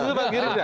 oh itu pak gerindra